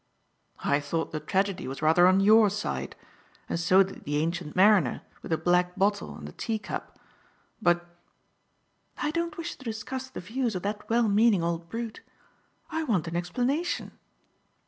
"I thought the tragedy was rather on your side; and so did the ancient mariner with the black bottle and the tea cup. But " "I don't wish to discuss the views of that well meaning old brute. I want an explanation.